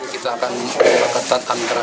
kita akan memperketat angkara